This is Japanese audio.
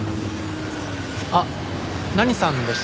あっ何さんでしたっけ？